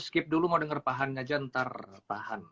skip dulu mau denger pahannya aja ntar pahan